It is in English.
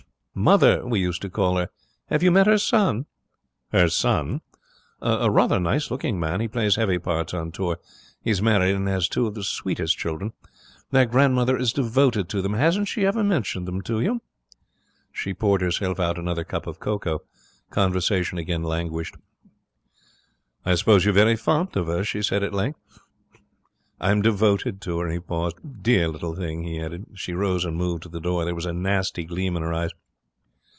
'"Mother" we used to call her. Have you met her son?' 'Her son?' 'A rather nice looking man. He plays heavy parts on tour. He's married and has two of the sweetest children. Their grandmother is devoted to them. Hasn't she ever mentioned them to you?' She poured herself out another cup of cocoa. Conversation again languished. 'I suppose you're very fond of her?' she said at length. 'I'm devoted to her.' He paused. 'Dear little thing!' he added. She rose and moved to the door. There was a nasty gleam in her eyes.